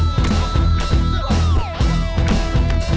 tentang mana itu